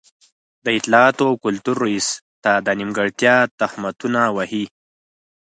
د اطلاعاتو او کلتور رئيس ته د نیمګړتيا تهمتونه وهي.